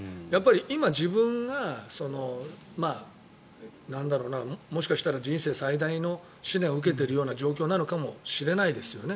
今、自分がもしかしたら人生最大の試練を受けているような状況なのかもしれないですよね。